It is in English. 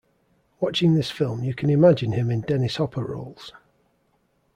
Watching this film, you can imagine him in Dennis Hopper roles.